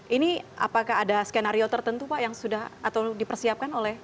ini apakah ada skenario tertentu pak yang sudah atau dipersiapkan oleh